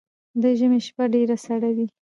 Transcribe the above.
ده ژمی شپه ډیره سړه وی